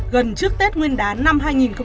gần trước tết nguyên đán năm hai nghìn hai mươi